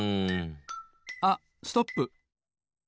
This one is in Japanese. あっストップ！